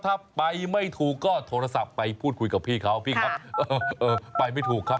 ถ้าไปไม่ถูกก็โทรศัพท์ไปพูดคุยกับพี่เขาพี่ครับเออไปไม่ถูกครับ